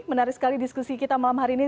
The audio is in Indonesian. menarik sekali diskusi kita malam hari ini